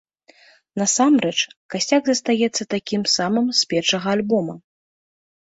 Насамрэч, касцяк застаецца такім самым з першага альбома.